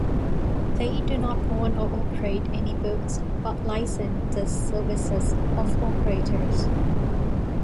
They do not own or operate any boats but license the services of operators.